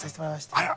あら！